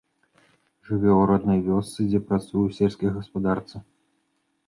Жыве ў роднай вёсцы, дзе працуе ў сельскай гаспадарцы.